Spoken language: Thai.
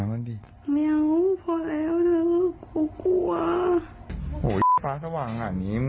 เอ่อมันดีพอแล้วน่ะผมกลัวโหซาสว่างน่ะนี่ม่ะ